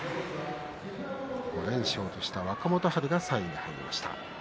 ５連勝とした若元春が３位でした。